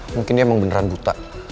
mungkin dia emang beneran duta